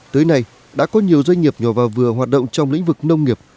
tới nay đã có nhiều doanh nghiệp nhỏ và vừa hoạt động trong lĩnh vực nông nghiệp